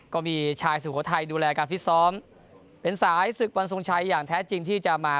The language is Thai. ก็มีชายสุโขทัยดูแลการฟิตซ้อมเป็นสายศึกวันทรงชัยอย่างแท้จริงที่จะมา